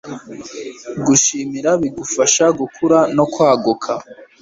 gushimira bigufasha gukura no kwaguka